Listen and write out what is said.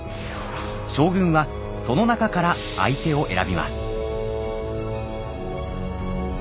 将軍はその中から相手を選びます。